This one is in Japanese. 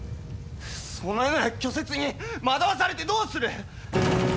そのような虚説に惑わされてどうする！